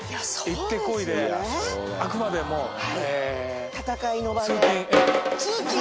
いってこいであくまでも戦いの場で通勤？